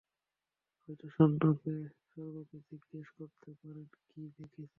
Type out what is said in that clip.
হয়তো স্বর্গকে জিগ্যেস করতে পারেন কি দেখেছিল।